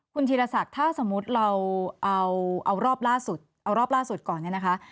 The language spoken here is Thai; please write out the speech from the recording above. คุณธีรศักดิ์ถ้าสมมุติเราเอารอบล่าสุดก่อน